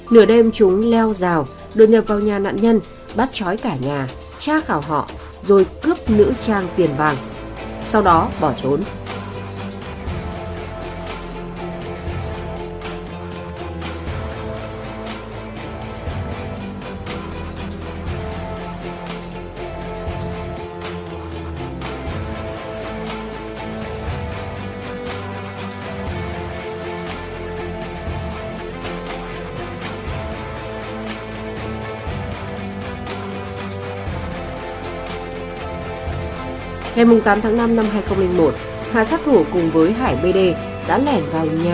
nửa đêm chúng leo rào đưa nhập vào nhà nạn nhân bắt chói cả nhà tra khảo họ rồi cướp nữ trang tiền vàng sau đó bỏ trốn